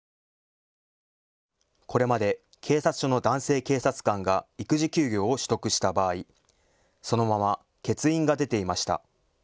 これまで警察署の男性警察官が育児休業を取得した場合、そのまま欠員が出ていました。